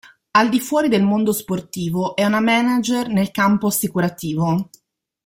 Al di fuori del mondo sportivo è una manager nel campo assicurativo.